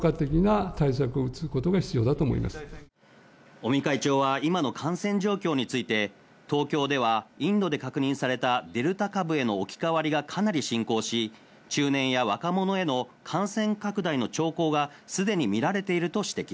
尾身会長は今の感染状況について東京ではインドで確認されたデルタ株への置き換わりがかなり進行し、中年や若者への感染拡大の兆候がすでに見られていると指摘。